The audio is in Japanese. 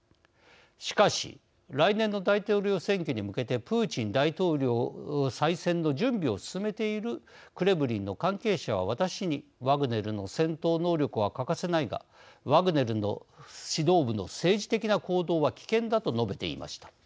しかし来年の大統領選挙に向けてプーチン再選の準備を進めているクレムリンの関係者は私に「ワグネルの戦闘能力は欠かせないがワグネルの指導部の政治的な行動は危険だ」と述べていました。